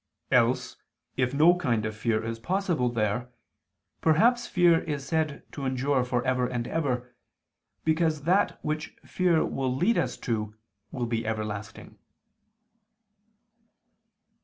Else, if no kind of fear is possible there, perhaps fear is said to endure for ever and ever, because that which fear will lead us to, will be everlasting."